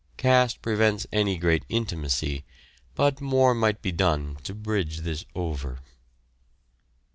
Caste prevents any great intimacy, but more might be done to bridge this over.